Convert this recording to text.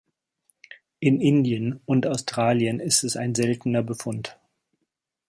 In Indien und Australien ist es ein seltener Befund.